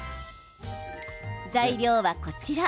材料はこちら。